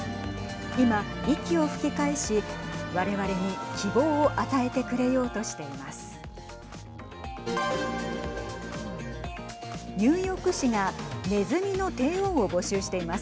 今、息を吹き返し我々に希望を与えてくれようとしています。